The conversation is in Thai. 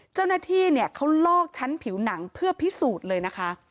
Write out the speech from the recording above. เจ้าหน้าที่เนี่ยเขาลอกชั้นผิวหนังเพื่อพิสูจน์เลยนะคะ